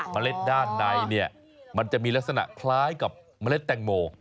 เล็ดด้านในเนี่ยมันจะมีลักษณะคล้ายกับเมล็ดแตงโม